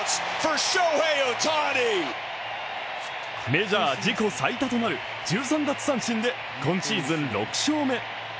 メジャー自己最多となる１３奪三振で今シーズン６勝目。